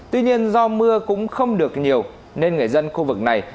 tuy nhiên do mưa cũng không được nhiều nên người dân khu vực này